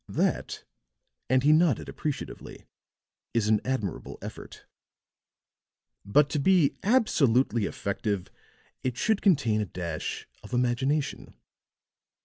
That," and he nodded appreciatively, "is an admirable method. But to be absolutely effective it should contain a dash of imagination.